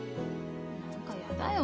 何かやだよ